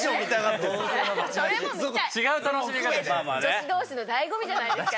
女子同士の醍醐味じゃないですか。